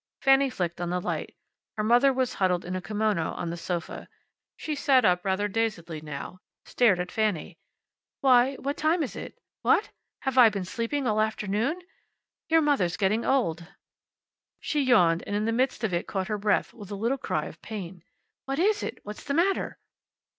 Fanny flicked on the light. Her mother was huddled in a kimono on the sofa. She sat up rather dazedly now, and stared at Fanny. "Why what time is it? What? Have I been sleeping all afternoon? Your mother's getting old." She yawned, and in the midst of it caught her breath with a little cry of pain. "What is it? What's the matter?"